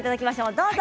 どうぞ。